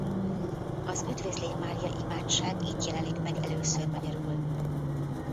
Az Üdvözlégy Mária imádság itt jelenik meg először magyarul.